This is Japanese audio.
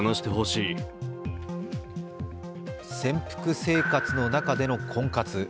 潜伏生活の中での婚活。